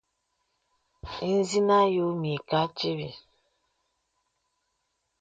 Ìzìnə àyɔ̄ mə ìkà tìbì.